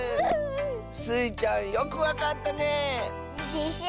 スイちゃんよくわかったね。でしょ？